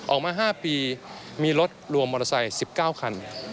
ออกมา๕ปีมีรถรวมมอเตอร์ไซค์๑๙คัน